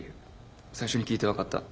最初に聴いて分かった。